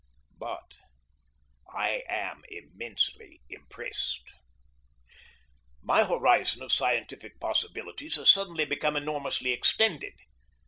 But I am immensely impressed. My horizon of scientific possibilities has suddenly been enormously extended.